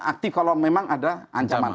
aktif kalau memang ada ancaman